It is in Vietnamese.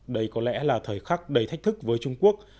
đây có lẽ là thời khắc đầy thách thức với trung quốc